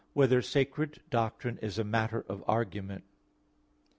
8] Whether Sacred Doctrine is a Matter of Argument?